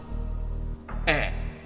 ええ。